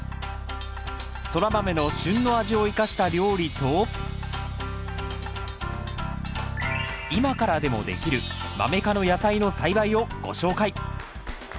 ソラマメの旬の味を生かした料理と今からでもできるマメ科の野菜の栽培をご紹介。